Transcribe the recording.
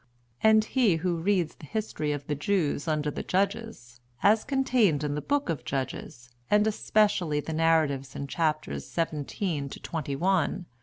And he who reads the history of the Jews under the Judges, as contained in the Book of Judges, and especially the narratives in chapters xvii. to xxi.